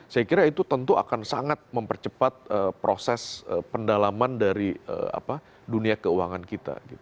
saya kira itu tentu akan sangat mempercepat proses pendalaman dari dunia keuangan kita